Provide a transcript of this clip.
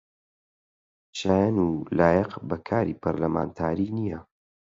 شایەن و لایەق بە کاری پەرلەمانتاری نییە